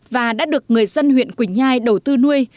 và đã được người dân huyện quỳnh nhai đầu tư nuôi